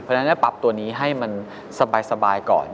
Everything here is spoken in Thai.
เพราะฉะนั้นปรับตัวนี้ให้มันสบายก่อน